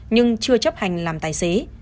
nhưng chưa chấp hành làm tài xế